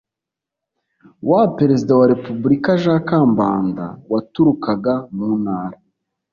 wa Perezida wa Repubulika Jean Kambanda waturukaga mu ntara